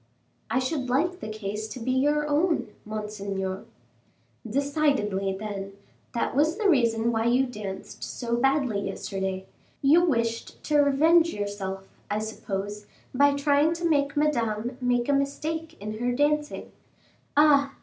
"I should like the case to be your own, monseigneur." "Decidedly, then, that was the reason why you danced so badly yesterday; you wished to revenge yourself, I suppose, by trying to make Madame make a mistake in her dancing; ah!